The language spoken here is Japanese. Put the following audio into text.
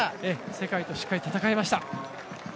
世界としっかり戦えました。